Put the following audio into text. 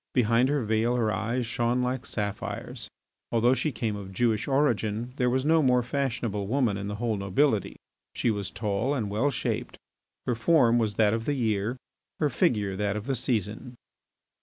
Behind her veil her eyes shone like sapphires. Although she came of Jewish origin there was no more fashionable woman in the whole nobility. She was tall and well shaped; her form was that of the year, her figure that of the season.